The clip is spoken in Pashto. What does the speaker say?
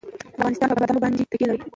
افغانستان په بادام باندې تکیه لري.